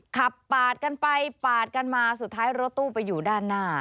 ขับปาดกันไปปาดกันมาสุดท้ายรถตู้ไปอยู่ด้านหน้า